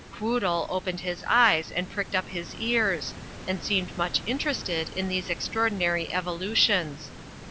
Quoodle opened his eyes and pricked up 142 THE FLYING INN his ears and seemed much interested in these extraor dinary evolutions.